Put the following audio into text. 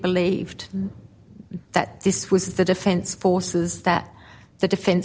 bahwa ini adalah pasukan pertahanan